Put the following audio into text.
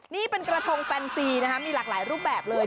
นี่เป็นกระทงแฟนซีนะคะมีหลากหลายรูปแบบเลย